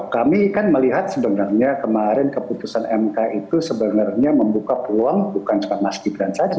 kami kan melihat sebenarnya kemarin keputusan mk itu sebenarnya membuka peluang bukan cuma mas gibran saja